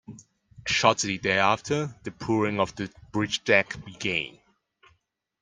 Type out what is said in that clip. Shortly thereafter, the pouring of the bridge deck began.